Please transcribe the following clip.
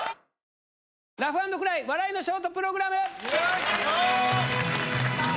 「ラフ＆クライ笑いのショートプログラム」